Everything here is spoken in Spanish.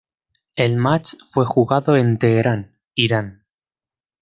El match fue jugado en Teherán, Irán.